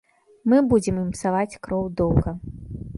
Мы будзем ім псаваць кроў доўга.